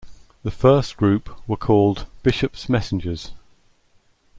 The first group were called "Bishop's Messengers".